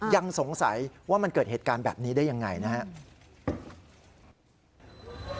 ยังสงสัยว่ามันเกิดเหตุการณ์แบบนี้ได้ยังไงนะครับ